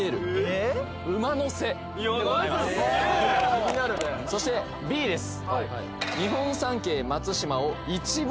気になるねそしてＢです